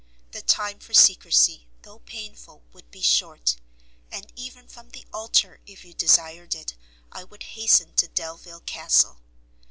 The time for secrecy though painful would be short, and even from the altar, if you desired it, I would hasten to Delvile Castle.